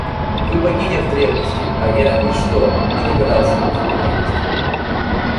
Вы богиня в древности, а я ничто и догадался о беспредельности.